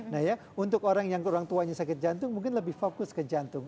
nah ya untuk orang yang orang tuanya sakit jantung mungkin lebih fokus ke jantung